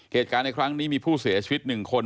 เหตุการณ์ในครั้งนี้มีผู้เสียชีวิต๑คน